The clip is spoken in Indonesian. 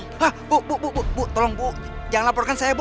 hah bu bu bu bu tolong bu jangan laporkan saya bu